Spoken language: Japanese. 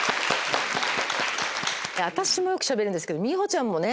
私もよくしゃべるんですけど。